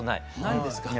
ないですか。